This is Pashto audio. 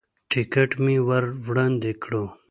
ټکټ مې ور وړاندې کړو.